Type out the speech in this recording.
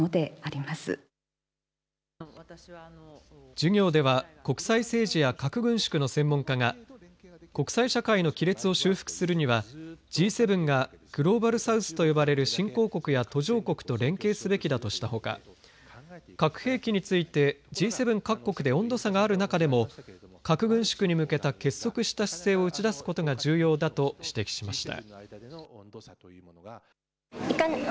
授業では国際政治や核軍縮の専門家が国際社会の亀裂を修復するにはＧ７がグローバル・サウスと呼ばれる新興国や途上国と連携すべきだとしたほか核兵器についてＧ７各国で温度差がある中でも核軍縮に向けた結束した姿勢を打ち出すことが重要だと指摘しました。